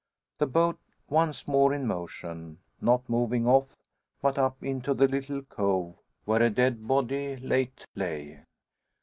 The boat once more in motion, not moving off, but up into the little cove, where a dead body late lay!